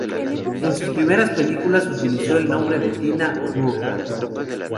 En sus primeras películas utilizó el nombre de Tina Marquand.